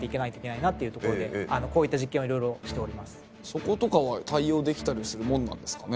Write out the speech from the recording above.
そことかは対応できたりするもんなんですかね？